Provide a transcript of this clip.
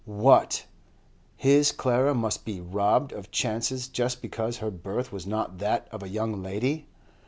What! His Clara must be robbed of chances just because her birth was not that of a young lady?